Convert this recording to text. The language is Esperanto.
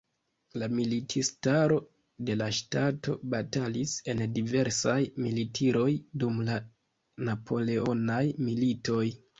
La militistaro de la ŝtato batalis en diversaj militiroj dum la Napoleonaj Militoj.